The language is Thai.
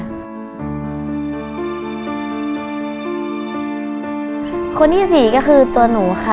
คนที่สี่ก็คือตัวหนูค่ะ